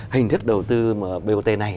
hình thức đầu tư bot này